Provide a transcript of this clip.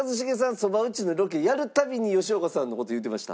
そば打ちのロケやる度に吉岡さんの事言うてました。